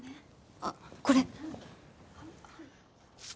あっこれ。